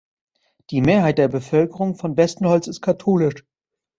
Die Mehrheit der Bevölkerung von Westenholz ist katholisch.